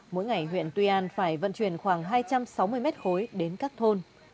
mỗi ngày huyện tuy an phải vận chuyển khoảng hai trăm sáu mươi mét khối đến các thôn